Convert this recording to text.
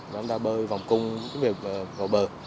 để bơi vòng cung vào bờ